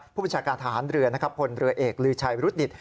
ผู้บัญชาการทหารเรือผลเรือเอกลือชัยรุศนิษฐ์